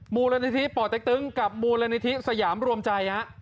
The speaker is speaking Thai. มูลณิธิปะตะกันกับมูลณิธิสยามรวมใจ